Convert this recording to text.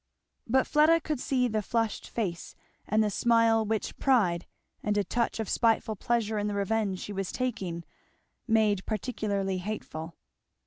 But Fleda could see the flushed face and the smile which pride and a touch of spiteful pleasure in the revenge she was taking made particularly hateful.